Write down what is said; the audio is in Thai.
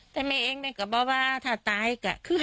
เรื่องแปลกถ้าว่าไม่ตายให้ขึ้น